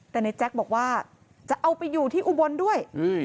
แต่ในแจ๊กบอกว่าจะเอาไปอยู่ที่อุบลด้วย